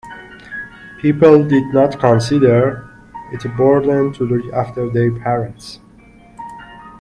People did not consider it a burden to look after their parents.